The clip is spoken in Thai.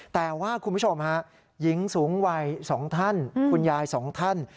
แต่ว่าคุณผู้ชมฮะหญิงสูงวัย๒ท่านคุณยาย๒ท่าน